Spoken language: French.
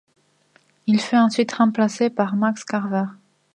Il fut ensuite remplacé par Max Carver.